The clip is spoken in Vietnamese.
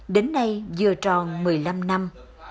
đến nay vừa tròn một mươi năm năm